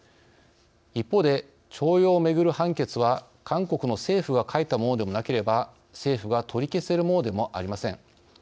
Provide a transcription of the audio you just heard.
一方で、徴用をめぐる判決は韓国の政府が書いたものでもなければ政府が取り消せるものでもありません。